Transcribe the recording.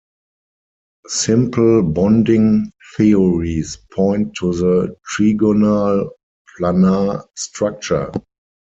Simple bonding theories point to the trigonal planar structure.